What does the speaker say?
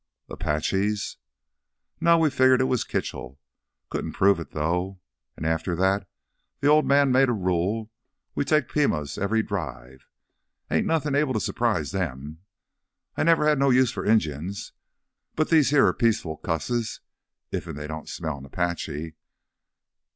"Apaches?" "Naw, we figured it was Kitchell. Couldn't prove it though, an' after that th' Old Man made a rule we take Pimas every drive. Ain't nothin' able to surprise them. I never had no use for Injuns, but these here are peaceful cusses—iffen they don't smell an Apache.